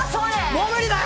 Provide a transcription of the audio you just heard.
もう無理だよ。